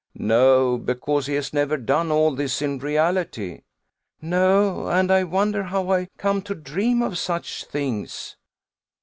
"No; because he has never done all this in reality." "No; and I wonder how I come to dream of such things."